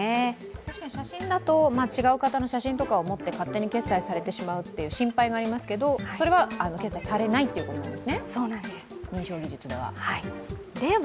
確かに写真だと、違う方の写真とかを持って決済されてしまう心配がありますけど、それは決済されないということなんですね、認証技術では。